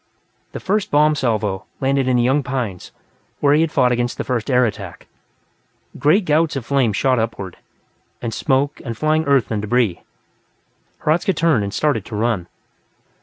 The first bomb salvo landed in the young pines, where he had fought against the first air attack. Great gouts of flame shot upward, and smoke, and flying earth and debris. Hradzka turned and started to run.